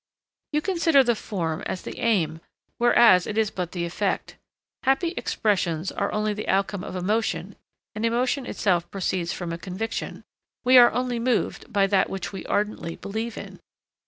'You consider the form as the aim, whereas it is but the effect. Happy expressions are only the outcome of emotion and emotion itself proceeds from a conviction. We are only moved by that which we ardently believe in.'